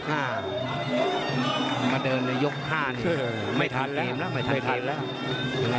มาเดินในยก๕ไม่ทันเกมละ